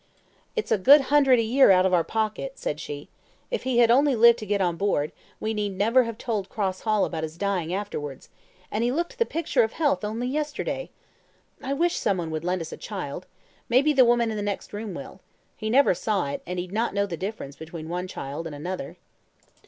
"'It's a good hundred a year out of our pocket,' said she. 'If he had only lived to get on board, we need never have told Cross Hall about his dying afterwards and he looked the picture of health only yesterday. I wish some one would lend us a child! Maybe the woman in the next room will. He never saw it, and he'd not know the difference between one child and another.'